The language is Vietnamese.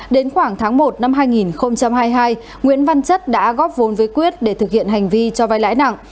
đến khoảng tháng một năm hai nghìn hai mươi hai nguyễn văn chất đã góp vốn với quyết để thực hiện hành vi cho vai lãi nặng